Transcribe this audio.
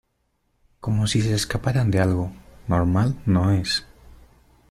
como si se escaparan de algo. normal no es .